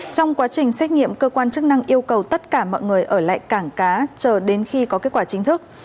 trong quá trình xét nghiệm cơ quan chức năng yêu cầu tất cả mọi người ở lại cảng cá chờ đến khi có kết quả chính thức